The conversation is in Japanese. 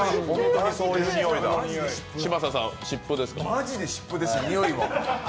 マジで湿布です、においは。